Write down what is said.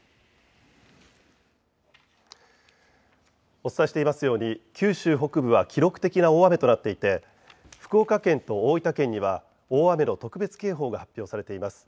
お伝えしていますように九州北部は記録的な大雨となっていて福岡県と大分県には大雨の特別警報が発表されています。